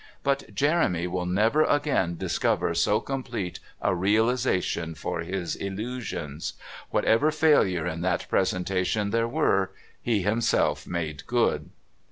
But Jeremy will never again discover so complete a realisation for his illusions. Whatever failures in the presentation there were, he himself made good.